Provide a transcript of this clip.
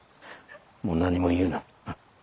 もう何も言うな。